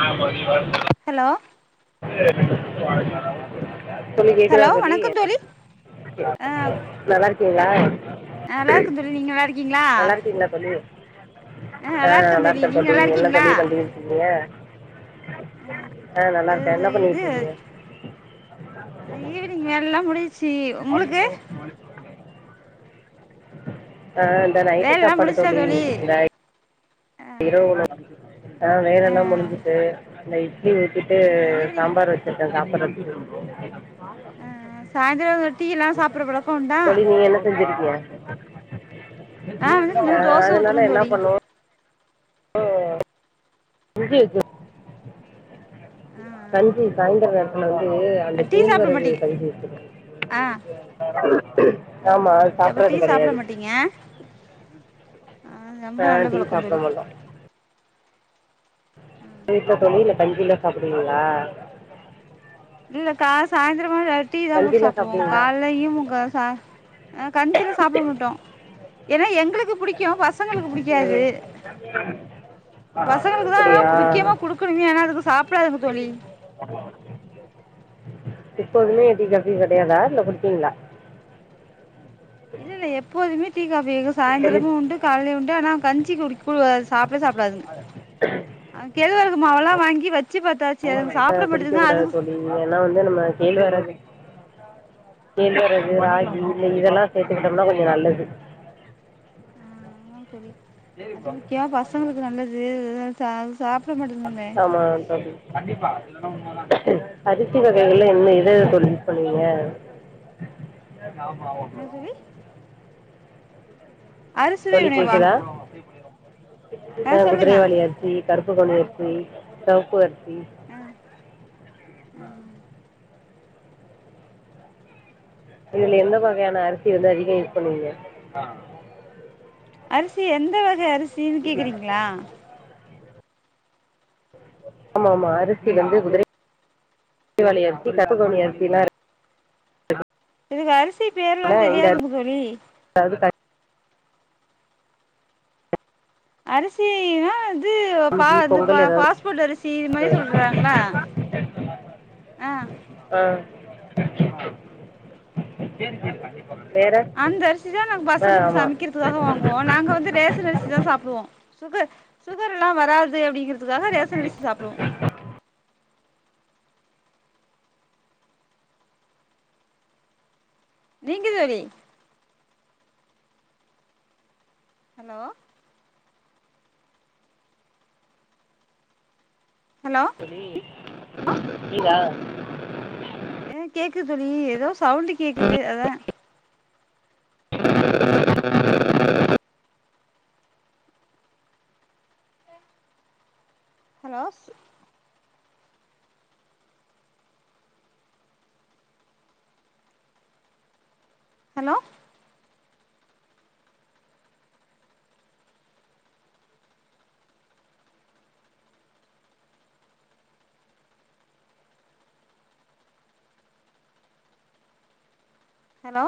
ஆ கொஞ்சோ வருதுன்னா ஹலோ [inaudible] தோழி கேக்குதா ஹலோ தோழி வணக்கம் ஆ நல்லா இருக்கீங்களா நல்லா இருக்கே தோழி நீங்க நல்லா இருக்கீங்களா நல்லா இருக்கீங்களா தோழி ஆ அ நல்லா இருக்கே நீங்க தோழி நல்லா என்ன இருக்கீங்களா தோழி பண்ணிட்டு இருந்தீங்க ஆ ஆ நல்லா இருக்கே இது என்ன இது பண்ணிட்ருக்கீங்க ஈவினிங் வேல எல்லா முடிஞ்சிச்சு உங்களுக்கு ஆ இந்த நைட்டு வேலல்லா சாப்பாடு முடிஞ்ச்சா தோழி இத ஆ இரவு உணவு வேல ஆ எல்லா முடிஞ்சுட்டு அந்த இட்லி ஊச்சிட்டு ஆ ஈவினிங் சாம்பார் வச்சு ட்டே சாப்பட்றதுக்கு ஆ சாயந்தரோ டீ எல்லா சாப்புட்ற பழக்கோ உண்டா தோழி நீங்க என்ன செஞ்சிருக்கீங்க நா வந்து இனிமே அ தோச அதனால ஊத்தணு என்ன தோழி பண்ணுவோ இது எக்கு ஆ கஞ்சி சாய்ந்தர நேரோ வந்து ஆ அந்த டீ சாப்ட கேழ்வரகு மாட்டீங்க கஞ்சி வச்சருவே ஆ ஆ ஆமா அது அப்ப டீ சாப்பட்றது சாப்ட கிடையாது மாட்டீங்க ஆ ரொம்ப ஆ நல்ல டீ பழக்கோ சாப்ட தோழி மாட்டோ வீட்ல தோழி இந்த கஞ்சி தா சாப்பிடுவீங்களா இல்ல கா சாயந்திரமா இத டீ தான் போட்டு கஞ்சியில் சாப்பிடுவோம் சாப்பிடுவீங்களா காலையும் முக்க ச கஞ்சியிலா சாப்ட மாட்டோ ஏன்னா எங்களுக்கு பிடிக்கு பசங்களுக்கு பிடிக்காது [inaudible] பசங்களுக்கு தா ஆனா அப்படியா முக்கியமா கொடுக்கணுமே ஆன்னா அதுங்க சாப்டாதுங்க தோழி [inaudible] எப்போதுமே டீ காபி கிடையாதா இல்ல குடிப்பீங்களா இல்ல இல்ல எப்போதுமே டீ காப்பி தோழி சாயந்திரமும் உண்டு காலைலயு உண்டு ஆனா கஞ்சி குடிக் உடாது சாப்பிடவே சாப்பிடாதுங்க கேழ் வரகு மாவெல்லா வாங்கி வச்சு பாத்தாச் சரி அதுங்க சாப்ட மாட்டேதுங்க அதுவு ம் ஏனா வந்து நம்ம கேழ்வரகு கேல்வரகு ராகி இந்த இதெல்லா சேத்துக்கிட்டோம்னா கொஞ்ச நல்லது ஆமா தோழி அது முக்கியமா பசங்களுக்கு நல்லது [unintelligible] அது சாப் ஆமா தோழி அரிசி வகைகள்ல என்ன இது தோழி சொன்னீங்க ன்ன தோழி அறுசுவை உணைவா ஆ ட்ரை பண்ணிருவோ ஆ சொல்லுங்க குதிரைவாலி அரிசி கருப்புக்கவணி அரிசி சிவப்பு அரிசி அ அ இதுல எந்த வகையான அரிசி வந்து அதிக யூஸ் பண்ணுவீங்க அரிசி எந்த வகை அரிஸ் ம் ஆமா ஆமா அரிசி வந்து குதிரைவாலி அரிசி கருப்புகவுனி அரிசில்லா இருக் இதுக்கு அரிசி பேர்லா தெரியாதுங்க தோழி அது [inaudible] அரிசினா ந்து பா கஞ்சி இந்த பா பொங்கல் ஏதாவது பாஸ்போர்ட் அரிசி இது மாரி செய்யலாம். சொல்றாங்களா ஆ ஆ வேற அந்த அரிசிதா நா ஆ பசங்களுக்கு ஆமாம் சமைக்கறதுக்காக வாங்குவோ நாங்க வந்து ரேஷன் அரிசி தா சாப்டுவோ சுகர் சுகர் எல்லா வராது அப்படிங்கிறதுக்காக ரேசன் அரிசி சாப்பிடுவோ நீங்க தோழி ஹலோ ஹலோ தோழி லீவ்வா ஆ கேக்குது தோழி எதோ சவுண்டு கேக்குது அதா உ உ [inaudible] ஹலோஸ் ஹலோ ஹலோ